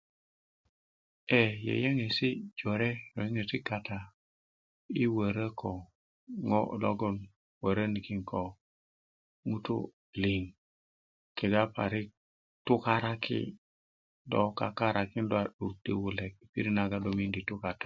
ee yeyeŋesi' jore yeyeŋesi' kata yi wörö ko ŋo' logoŋ wörönikin ko ŋutu' liŋ kegs parik tukariki do kakarakin do a 'dur di wulek yi pirit nagoŋ do miindi tu kata yu na